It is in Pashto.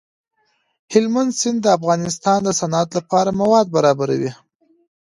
هلمند سیند د افغانستان د صنعت لپاره مواد برابروي.